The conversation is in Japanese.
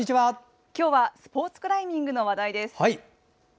今日はスポーツクライミングの話題です。